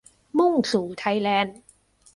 มุ่งสู่ไทยแลนด์